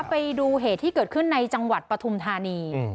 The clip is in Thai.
ไปดูเหตุที่เกิดขึ้นในจังหวัดปฐุมธานี